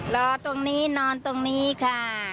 รอตรงนี้นอนตรงนี้ค่ะ